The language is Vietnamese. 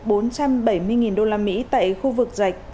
bốn trăm bảy mươi usd tại khu vực rạch